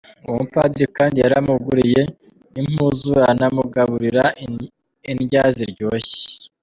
Uwo mupadiri kandi yaramuguriye n'impuzu aranamugaburira indya ziryoshe.